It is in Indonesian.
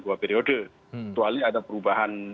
dua periode kecuali ada perubahan